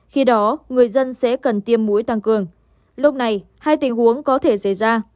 khi đó người dân sẽ cần tiêm mũi tăng cường lúc này hai tình huống có thể xảy ra